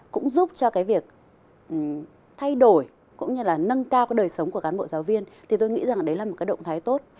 cũng giúp cho cái việc thay đổi cũng như là nâng cao cái đời sống của cán bộ giáo viên thì tôi nghĩ rằng đấy là một cái động thái tốt